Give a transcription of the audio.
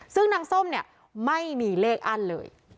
ซึ่งนางส้มเนี่ยไม่มีเลขอั้นเลย